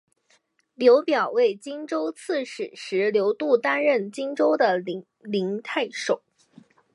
刘表为荆州刺史时刘度担任荆州的零陵太守。